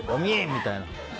みたいな。